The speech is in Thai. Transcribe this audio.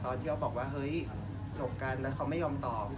ตอนที่อฟบอกว่าเฮ้ยศูนย์โรคการต์แล้วไม่ยอมติดต่อ